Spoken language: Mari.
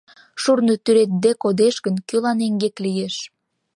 — Шурно тӱредде кодеш гын, кӧлан эҥгек лиеш?